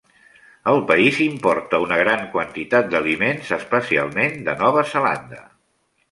El país importa una gran quantitat d'aliments, especialment de Nova Zelanda.